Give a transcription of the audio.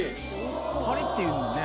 パリっていうんやね。